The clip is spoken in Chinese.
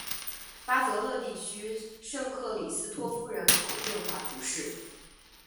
巴泽勒地区圣克里斯托夫人口变化图示